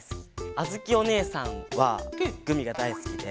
あづきおねえさんはグミがだいすきで。